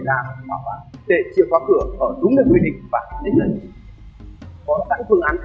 gần nỗi thoát nạn